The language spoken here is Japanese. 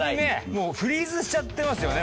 もうフリーズしちゃってますよね